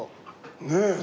ねえ。